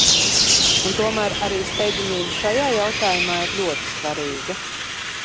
Un tomēr arī steidzamība šajā jautājumā ir ļoti svarīga.